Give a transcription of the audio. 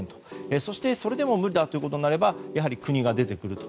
そしてそれでも無理だということになればやはり国が出てくる。